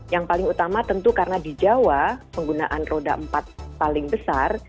yang paling utama tentu karena di jawa penggunaan roda empat paling besar